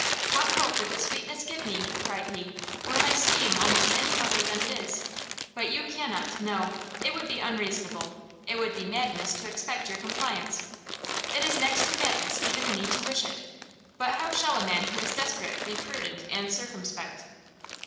"What hope would this sweetness give me," cried he, "were my scheme almost any other than it is! but you cannot, no, it would be unreasonable, it would be madness to expect your compliance! it is next to madness even in me to wish it, but how shall a man who is desperate be prudent and circumspect?"